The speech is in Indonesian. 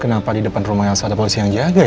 kenapa di depan rumah elsa ada polisi yang jago ya